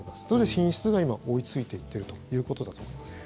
品質が今、追いついていっているということだと思いますね。